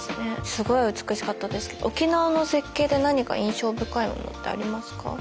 すごい美しかったですけど沖縄の絶景で何か印象深いものってありますか？